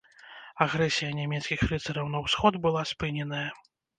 Агрэсія нямецкіх рыцараў на ўсход была спыненая.